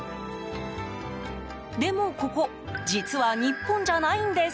でもここ実は日本じゃないんです。